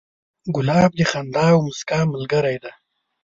ګلاب د خندا او موسکا ملګری دی.